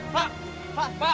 pak pak pak